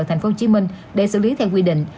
tp hcm để xử lý theo quy định